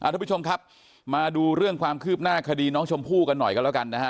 ทุกผู้ชมครับมาดูเรื่องความคืบหน้าคดีน้องชมพู่กันหน่อยกันแล้วกันนะฮะ